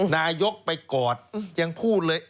นายกไปกอดยังพูดเลย